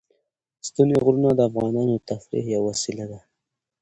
ستوني غرونه د افغانانو د تفریح یوه وسیله ده.